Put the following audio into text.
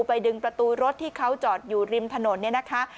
ดึงประตูรถที่เขาจอดอยู่ริมถนนเนี่ยนะคะ